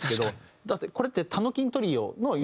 だってこれって。